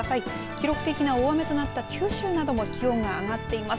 記録的な大雨となった九州なども気温が上がっています。